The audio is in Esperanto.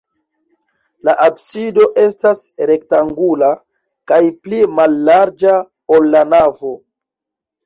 La absido estas rektangula kaj pli mallarĝa, ol la navo.